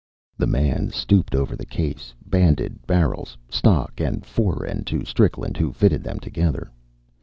The man stooped over the case, banded barrels, stock, and fore end to Strickland, who fitted them together.